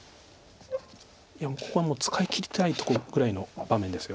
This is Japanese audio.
いやもうここは使いきりたいとこぐらいの場面です。